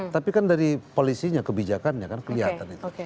tapi kan dari polisinya kebijakannya kan kelihatan itu